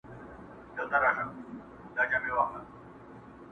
چي بيزو او بيزو وان پر راښكاره سول.!